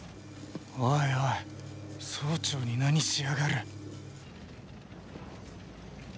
おいおい総長に何しやがる！？